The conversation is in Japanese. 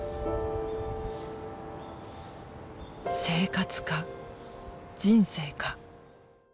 生活か人生か。